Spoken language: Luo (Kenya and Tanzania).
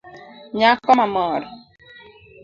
Nyako mamor